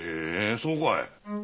へえそうかい。